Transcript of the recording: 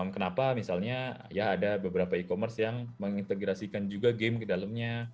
kenapa misalnya ya ada beberapa e commerce yang mengintegrasikan juga game ke dalamnya